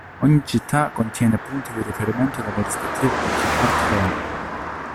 Ogni città contiene punti di riferimento delle rispettive controparti reali.